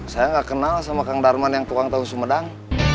saya nggak kenal sama kang darman yang tukang tahu sumedang